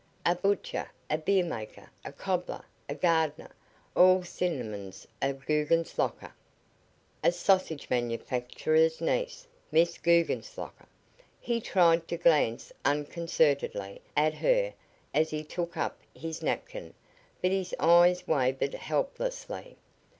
A butcher, a beer maker, a cobbler, a gardener, all synonyms of Guggenslocker. A sausage manufacturer's niece Miss Guggenslocker! He tried to glance unconcernedly at her as he took up his napkin, but his eyes wavered helplessly.